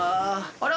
あら？